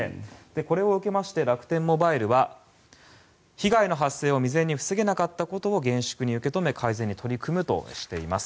これを受けまして楽天モバイルは被害の発生を未然に防げなかったことを厳粛に受け止め改善に取り組むとしています。